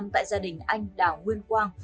tại gia đình anh đào nguyên quang